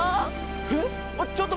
えっ？